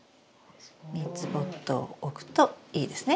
３つポットを置くといいですね。